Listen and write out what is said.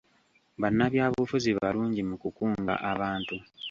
Bannabyabufuzi balungi mu kukunga abantu.